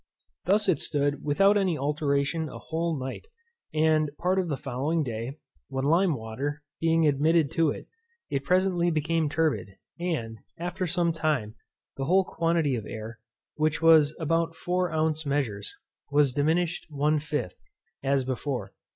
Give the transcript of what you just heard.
Thus it stood without any alteration a whole night, and part of the following day; when lime water, being admitted to it, it presently became turbid, and, after some time, the whole quantity of air, which was about four ounce measures, was diminished one fifth, as before.